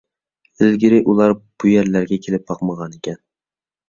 ئىلگىرى ئۇلار بۇ يەرلەرگە كېلىپ باقمىغانىكەن.